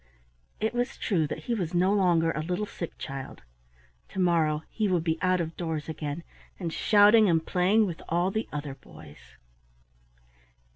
It was true that he was no longer a little sick child. To morrow he would be out of doors again, and shouting and playing with all the other boys.